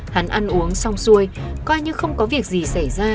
hắn ăn uống xong xuôi coi như không có việc gì xảy ra